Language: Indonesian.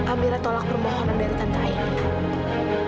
amira tolak permohonan dari tenta ini